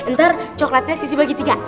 ntar coklatnya sisi bagi tiga